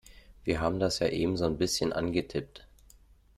Wir haben das ja eben so'n bisschen angetippt.